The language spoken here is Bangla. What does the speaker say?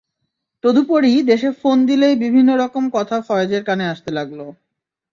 তদুপরি দেশে ফোন দিলেই বিভিন্ন রকম কথা ফয়েজের কানে আসতে লাগল।